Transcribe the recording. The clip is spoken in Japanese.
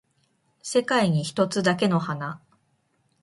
世界に一つだけの花